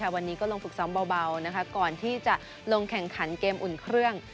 วันนี้ก็ลงฝึกซ้อมเบาก่อนที่จะลงแข่งขันเกมอุ่นเครื่อง